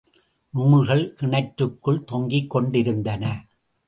நூல்கள் கிணற்றுக்குள் தொங்கிக் கொண்டிருந்தன.